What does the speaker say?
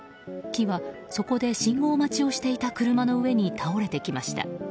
木は、そこで信号待ちをしていた車の上に倒れてきました。